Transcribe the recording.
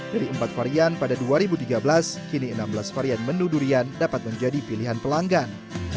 dari empat varian pada dua ribu tiga belas kini enam belas varian menu durian dapat menjadi pilihan pelanggan